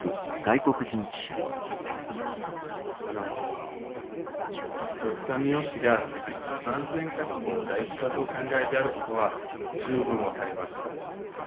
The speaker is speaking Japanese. あのドクター三芳が安全確保を第一だとお考えであることは十分分かりました。